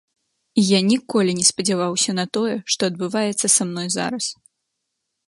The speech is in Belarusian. І я ніколі не спадзяваўся на тое, што адбываецца са мной зараз.